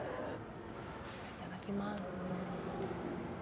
いただきます。